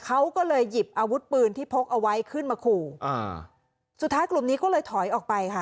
เขาก็เลยหยิบอาวุธปืนที่พกเอาไว้ขึ้นมาขู่อ่าสุดท้ายกลุ่มนี้ก็เลยถอยออกไปค่ะ